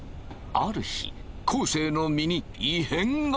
ある日昴生の身に異変が。